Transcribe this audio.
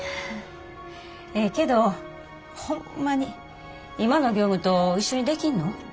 ええけどホンマに今の業務と一緒にできんの？